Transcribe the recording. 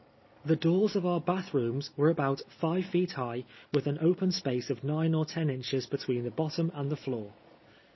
The doors of our bath rooms were about five feet high, with an open space of nine or ten inches between the bottom and the floor.